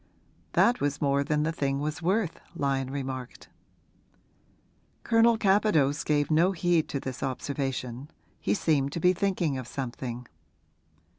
'That was more than the thing was worth,' Lyon remarked. Colonel Capadose gave no heed to this observation; he seemed to be thinking of something.